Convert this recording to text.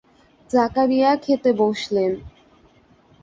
জাকারিয়া খেতে বসলেন।